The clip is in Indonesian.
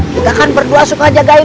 kita kan berdua suka jagain